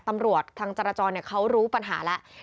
ตำรวจทางจรจรเขารู้ปัญหาแล้ว